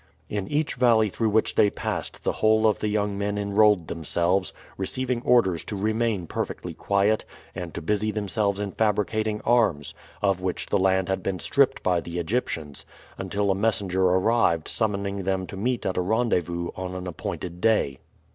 In each valley through which they passed the whole of the young men enrolled themselves, receiving orders to remain perfectly quiet and to busy themselves in fabricating arms, of which the land had been stripped by the Egyptians, until a messenger arrived summoning them to meet at a rendezvous on an appointed day.